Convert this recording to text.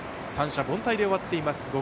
三者凡退で終わっています。